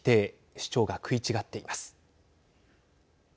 主張が食い違っています。